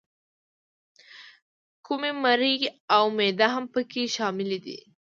کومي، مرۍ او معده هم پکې شامل دي.